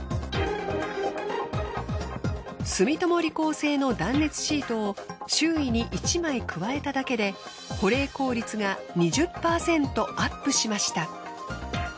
製の断熱シートを周囲に１枚加えただけで保冷効率が２０％アップしました。